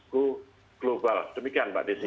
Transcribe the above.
go global demikian mbak desi